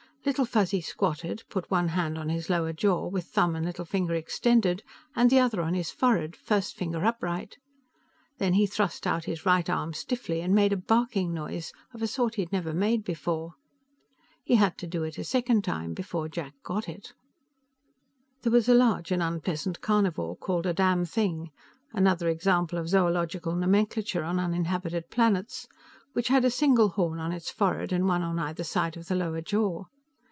Little Fuzzy squatted, put one hand on his lower jaw, with thumb and little finger extended, and the other on his forehead, first finger upright. Then he thrust out his right arm stiffly and made a barking noise of a sort he had never made before. He had to do it a second time before Jack got it. There was a large and unpleasant carnivore, called a damnthing another example of zoological nomenclature on uninhabited planets which had a single horn on its forehead and one on either side of the lower jaw.